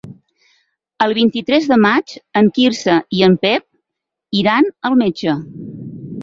El vint-i-tres de maig en Quirze i en Pep iran al metge.